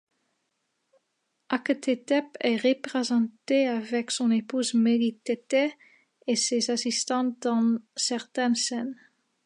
Akhethétep est représenté avec son épouse Mérititès et ses assistants dans certaines scènes.